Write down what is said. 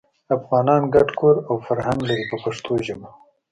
افغانان ګډ کور او فرهنګ لري په پښتو ژبه.